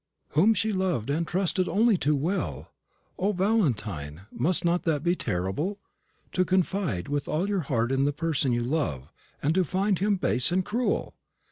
"Whom she loved and trusted only too well. O, Valentine, must not that be terrible? To confide with all your heart in the person you love, and to find him base and cruel!